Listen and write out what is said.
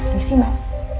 ini sih mbak